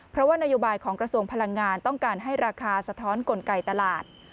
เพราะว่านโยบายของกระทรวงพลังงานต้องการให้ราคาสะท้อนกลไกตลาด